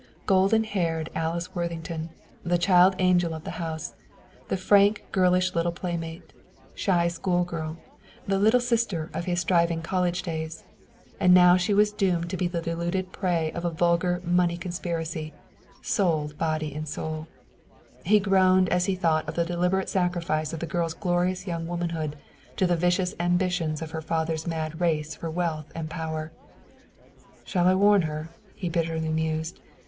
Golden haired Alice Worthington, the child angel of the house, the frank girlish little playmate, the slim, shy school girl, the "Little Sister" of his striving college days. And now she was doomed to be the deluded prey of a vulgar money conspiracy sold, body and soul. He groaned as he thought of the deliberate sacrifice of the girl's glorious young womanhood to the vicious ambitions of her father's mad race for wealth and power. "Shall I warn her?" he bitterly mused.